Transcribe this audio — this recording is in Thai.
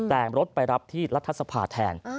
แต่รถไปรับที่รัฐทัศน์ภาคแทน